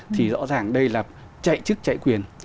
thì rõ ràng đây là chạy chức chạy quyền